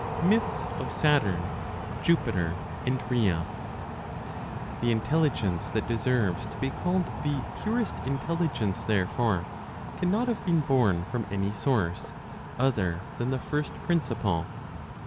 MYTHS OF SATURN, JUPITER AND RHEA. The Intelligence that deserves to be called the purest intelligence, therefore, cannot have been born from any source, other than the first Principle.